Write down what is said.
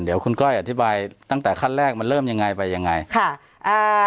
เดี๋ยวคุณก้อยอธิบายตั้งแต่ขั้นแรกมันเริ่มยังไงไปยังไงค่ะอ่า